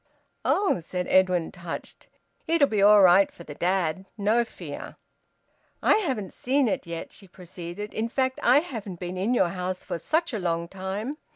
"Oh!" said Edwin, touched. "It'll be all right for the dad. No fear!" "I haven't seen it yet," she proceeded. "In fact I haven't been in your house for such a long time.